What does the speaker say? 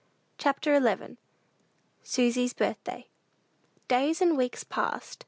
CHAPTER XI. SUSY'S BIRTHDAY. Days and weeks passed.